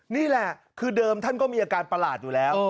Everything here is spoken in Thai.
นี่แหละคือเดิมท่านก็มีอาการประหลาดอยู่แล้ว